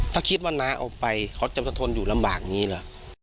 ถ้าคิดว่าน้าเอาไปเขาจะสะทนอยู่ลำบากอย่างนี้เหรอ